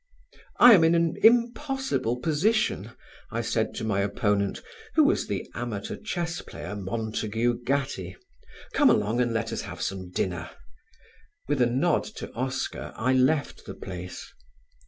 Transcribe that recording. "I am in an impossible position," I said to my opponent, who was the amateur chess player, Montagu Gattie. "Come along and let us have some dinner." With a nod to Oscar I left the place.